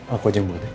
aku aja yang buat ya